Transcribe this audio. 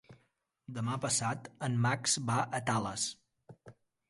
Demà passat en Max va a Tales.